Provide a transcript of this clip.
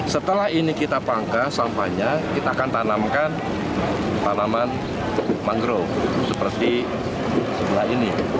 setelah ini kita pangkas sampahnya kita akan tanamkan tanaman mangrove seperti sebelah ini